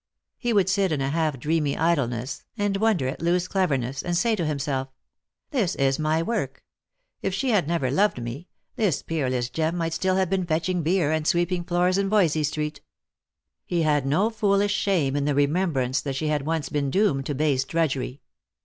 He would sit in a half dreamy idleness and wonder at Loo's cleverness, and say to himself, " This is my work. If she had never loved me, this peerless gem might still have been fetching beer and sweeping floors in Voysey street." He had no foolish shame in the remembrance that she had once been doomed to base drudgery.